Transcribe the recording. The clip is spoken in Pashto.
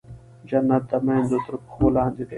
جنت د مېندو تر پښو لاندې دی.